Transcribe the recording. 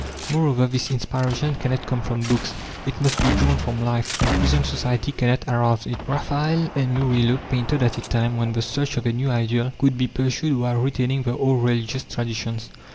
Moreover, this inspiration cannot come from books; it must be drawn from life, and present society cannot arouse it. Raphael and Murillo painted at a time when the search of a new ideal could be pursued while retaining the old religious traditions.